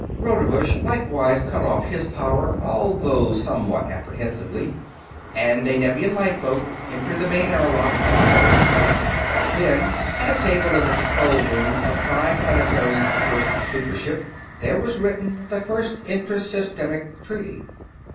Rodebush likewise cut off his power, although somewhat apprehensively, and a Nevian lifeboat entered the main airlock of the Boise. Then, at a table in the control room of Triplanetary's first super ship, there was written the first Inter Systemic Treaty.